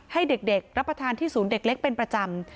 ให้เด็กรับประทานที่ศูนย์เด็กเล็กเป็นประจำ